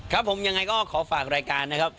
ครับผมยังไงก็ขอฝากรายการนะครับ